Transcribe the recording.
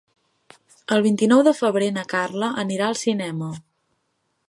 El vint-i-nou de febrer na Carla anirà al cinema.